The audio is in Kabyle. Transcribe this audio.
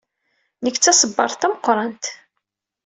Nekk d taṣebbart tameqrant.